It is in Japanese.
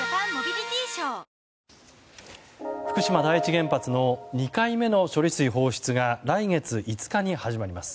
福島第一原発の２回目の処理水放出が来月５日に始まります。